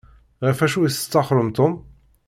Ɣef acu i testaxṛem Tom?